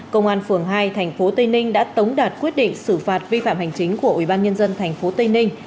công an phường hai tp tây ninh đã tống đạt quyết định xử phạt vi phạm hành chính của ubnd tp tây ninh